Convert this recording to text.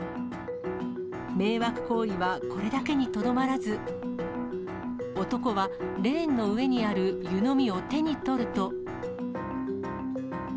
迷惑行為はこれだけにとどまらず、男はレーンの上にある湯飲みを手に取ると。